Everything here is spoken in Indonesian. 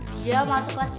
dia masuk kelas tiga